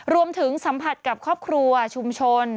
รวมถึงสัมผัสกับครอบครัวชุมชน